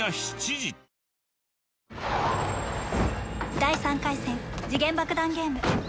第３回戦時限爆弾ゲーム。